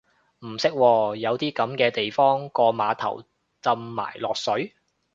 唔識喎，有啲噉嘅地方個碼頭浸埋落水？